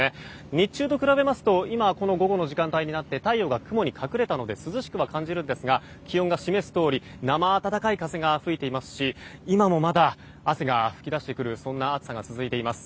日中と比べますと午後の時間帯になって太陽が雲に隠れたので涼しくは感じますが気温が示すとおり生暖かい風が吹いていますし今もまだ、汗が噴き出してくるそんな暑さが続いています。